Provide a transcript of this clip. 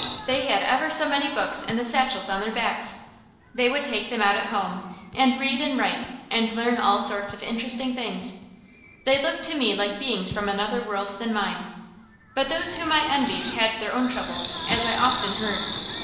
They had ever so many books in the satchels on their backs. They would take them out at home, and read and write, and learn all sorts of interesting things. They looked to me like beings from another world than mine. But those whom I envied had their own troubles, as I often heard.